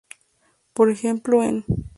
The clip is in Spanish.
Por ejemplo, en 弍.